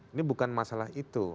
ini bukan masalah itu